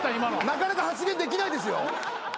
なかなか発言できないですよ。